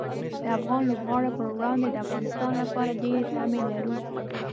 د افغان لوبغاړو پر وړاندې د افغانستان لپاره ډېرې تمې لرو.